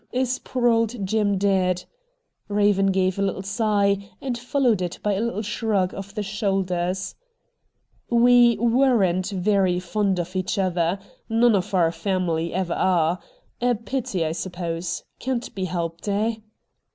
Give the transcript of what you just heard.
is poor old Jim dead ?' Eaven gave a little sigh, and followed it by a little shrug of the shoulders. ' We weren't very fond of each other. None of our family ever are. A pity, I suppose. Can't be helped, eh